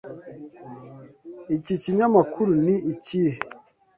Iki kinyamakuru ni ikihe?